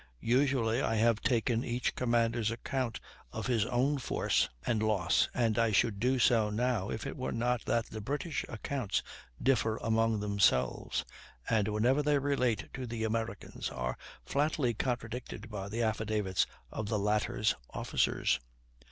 Usually I have taken each commander's account of his own force and loss, and I should do so now if it were not that the British accounts differ among themselves, and whenever they relate to the Americans, are flatly contradicted by the affidavits of the latter's officers.